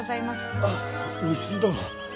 あっ美鈴殿。